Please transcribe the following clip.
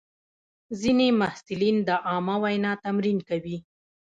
ځینې محصلین د عامه وینا تمرین کوي.